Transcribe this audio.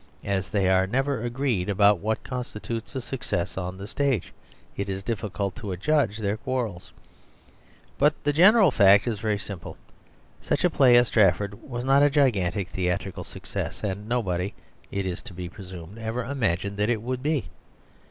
As they are never agreed about what constitutes a success on the stage, it is difficult to adjudge their quarrels. But the general fact is very simple; such a play as Strafford was not a gigantic theatrical success, and nobody, it is to be presumed, ever imagined that it would be.